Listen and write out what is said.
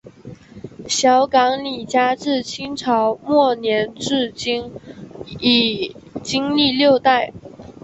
小港李家自清朝末年至今已经历六代。